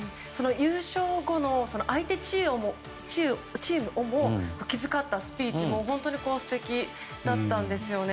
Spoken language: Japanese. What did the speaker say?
優勝後の相手チームをも気遣ったスピーチも本当に素敵だったんですよね。